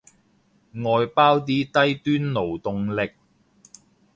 外包啲低端勞動力